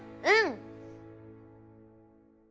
うん！